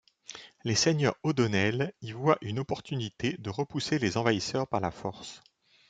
Les seigneurs O'Donnell y voient une opportunité de repousser les envahisseurs par la force.